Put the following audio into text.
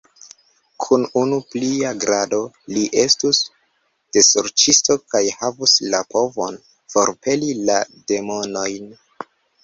Kun unu plia grado, li estus desorĉisto kaj havus la povon forpeli la demonojn!